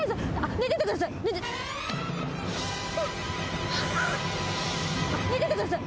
寝ててください。